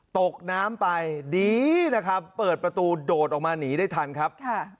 ตกน้ำไปดีนะครับเปิดประตูโดดออกมาหนีได้ทันครับ